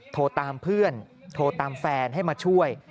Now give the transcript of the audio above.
โทรตามเพื่อนโทรตามแฟนให้มาช่วย